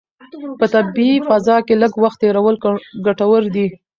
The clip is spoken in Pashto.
په طبیعي فضا کې لږ وخت تېرول ګټور دي.